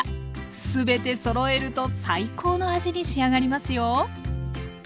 すべてそろえると最高の味に仕上がりますよ。